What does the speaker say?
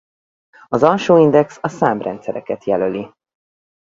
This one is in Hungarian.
Az alsó index a számrendszereket jelöli.